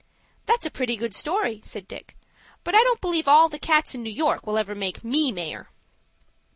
"That's a pretty good story," said Dick; "but I don't believe all the cats in New York will ever make me mayor."